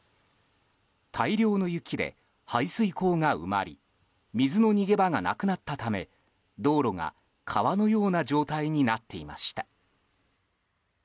大量の雪で排水溝が埋まり水の逃げ場がなくなったため道路が川のような状態になっていました。